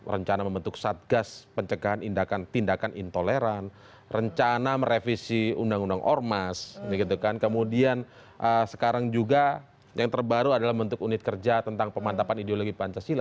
rencana membentuk satgas pencegahan tindakan intoleran rencana merevisi undang undang ormas kemudian sekarang juga yang terbaru adalah bentuk unit kerja tentang pemantapan ideologi pancasila